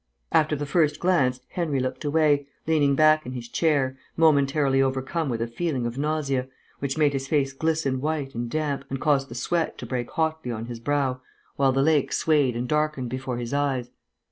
After the first glance Henry looked away, leaning back in his chair, momentarily overcome with a feeling of nausea, which made his face glisten white and damp, and caused the sweat to break hotly on his brow, while the lake swayed and darkened before his eyes.